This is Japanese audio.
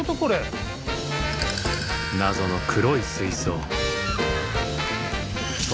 謎の黒い水槽。